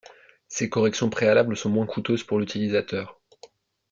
Ces corrections préalable sont moins coûteuses pour l'utilisateur.